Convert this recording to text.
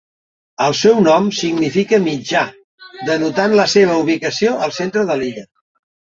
El seu nom significa "mitjà", denotant la seva ubicació al centre de l'illa.